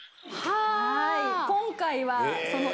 はい今回はその。